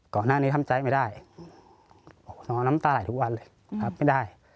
ก่อนหน้านี้ทำใจไม่ได้ออกนอนน้ำตาไหลทุกวันเลยรับไม่ได้